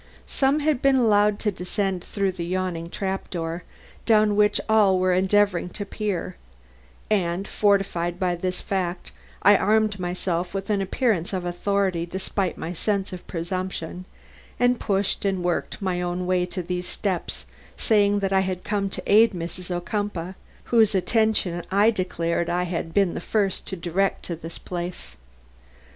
Some had been allowed to descend through the yawning trap door, down which all were endeavoring to peer, and, fortified by this fact, I armed myself with an appearance of authority despite my sense of presumption, and pushed and worked my own way to these steps, saying that I had come to aid Mrs. Ocumpaugh, whose attention I declared I had been the first to direct to this place.